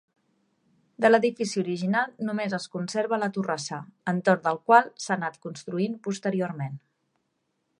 De l'edifici original només es conserva la torrassa, entorn del qual s'ha anat construint posteriorment.